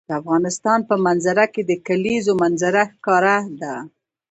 د افغانستان په منظره کې د کلیزو منظره ښکاره ده.